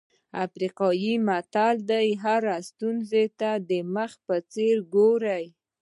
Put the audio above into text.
افریقایي متل وایي هرې ستونزې ته د مېخ په څېر وګورئ.